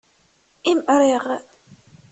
Imriɣ.